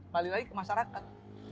kali lagi ke masyarakat